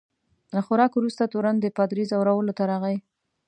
له خوراک وروسته تورن د پادري ځورولو ته راغی.